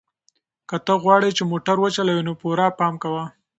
که ته غواړې چې موټر وچلوې نو پوره پام کوه.